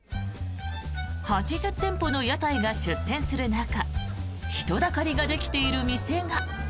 ８０店舗の屋台が出店する中人だかりができている店が。